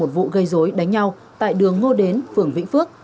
công an thành phố nha trang đã gây rối đánh nhau tại đường ngô đến phường vĩnh phước